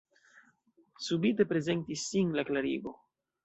Subite prezentis sin la klarigo.